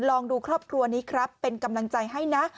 ลองดูครอบครัวนี้ครับเป็นกำลังใจให้นะ